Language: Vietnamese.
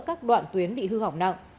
các đoạn tuyến bị hư hỏng nặng